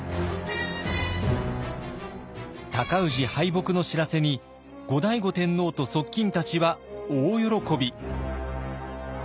尊氏敗北の知らせに後醍醐天皇と側近たちは大喜び。